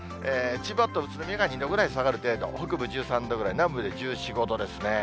千葉と宇都宮が２度ぐらい下がる程度、北部１３度ぐらい、南部で１４、５度ですね。